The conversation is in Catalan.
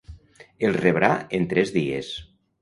Els rebrà en tres dies.